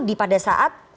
di pada saat